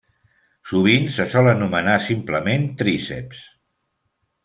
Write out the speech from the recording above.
Sovint se sol anomenar simplement tríceps.